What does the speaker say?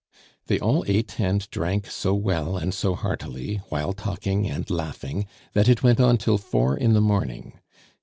They all ate and drank so well and so heartily, while talking and laughing, that it went on till four in the morning.